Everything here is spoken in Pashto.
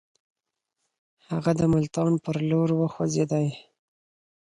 هغه د ملتان پر لور وخوځېدی.